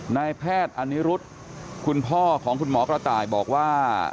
นายแพทย์อนิรุธคุณพ่อของคุณหมอกระต่ายบอกว่า